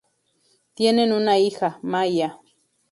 Tienen una hija, Maia.